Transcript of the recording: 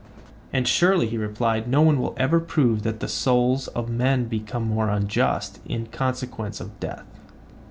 And surely, he replied, no one will ever prove that the souls of men become more unjust in consequence of death.